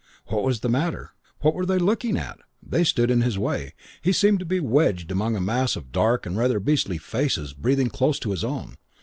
What was the matter? What were they looking at? They stood in his way. He seemed to be wedged among a mass of dark and rather beastly faces breathing close to his own.